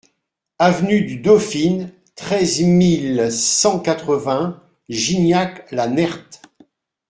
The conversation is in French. Avenue du Dauphine, treize mille cent quatre-vingts Gignac-la-Nerthe